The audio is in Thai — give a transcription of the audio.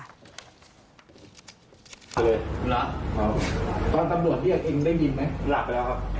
ตอนตำรวจเรียกเอ็งได้ยินไหมหลักไปแล้วครับหลักหลักจนหลักเลยหรอ